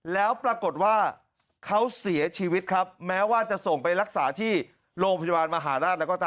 เลือดไหลแล้ว